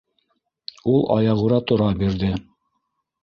— Ул аяғүрә тора бирҙе.